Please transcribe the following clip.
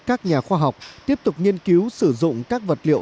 các nhà khoa học tiếp tục nghiên cứu sử dụng các vật liệu